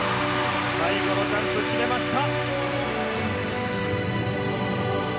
最後のジャンプ決めました！